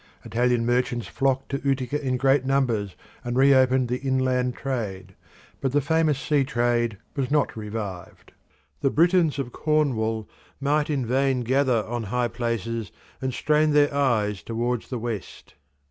Italian merchants flocked to Utica in great numbers and reopened the inland trade, but the famous sea trade was not revived. The Britons of Cornwall might in vain gather on high places and strain their eyes towards the west.